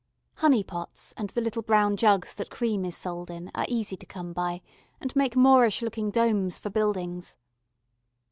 Honey pots and the little brown jugs that cream is sold in are easy to come by, and make Moorish looking domes for buildings.